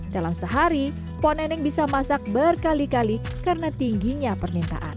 dalam sehari po neneng bisa masak berkali kali karena tingginya permintaan